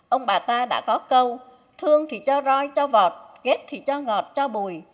ông bà ta đã có câu thương thì cho roi cho vọt thì cho ngọt cho bùi